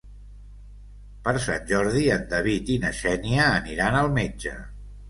Per Sant Jordi en David i na Xènia aniran al metge.